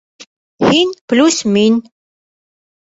Һин плюс мин.